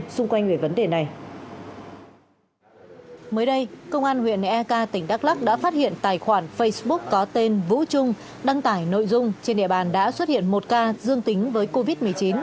mới đây công an huyện ek tỉnh đắk lắc đã phát hiện tài khoản facebook có tên vũ trung đăng tải nội dung trên địa bàn đã xuất hiện một ca dương tính với covid một mươi chín